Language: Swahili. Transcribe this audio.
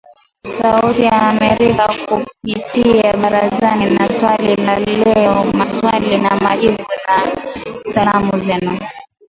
Sauti ya Amerika kupitia Barazani na Swali la Leo Maswali na Majibu, na Salamu Zenu